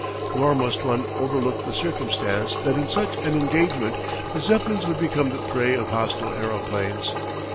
Nor must one overlook the circumstance that in such an engagement the Zeppelins would become the prey of hostile aeroplanes.